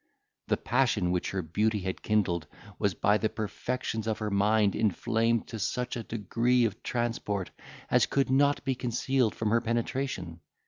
The passion which her beauty had kindled was by the perfections of her mind inflamed to such a degree of transport, as could not be concealed from her penetration.